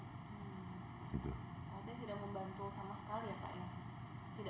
artinya tidak membantu sama sekali ya pak